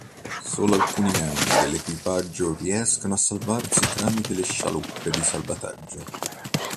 Solo alcuni membri dell'equipaggio riescono a salvarsi tramite le scialuppe di salvataggio.